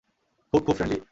খুব, খুব ফ্রেন্ডলি।